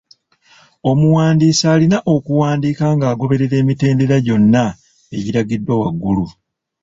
Omuwandiisi alina okuwandiika ng'agoberera emitendera gyonna egiragiddwa waggulu.